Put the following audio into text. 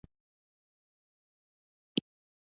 په دې ډک او سوړ جهان کې.